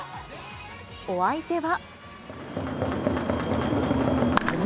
お相手は。